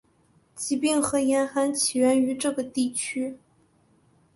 疾病和严寒起源于这个地区。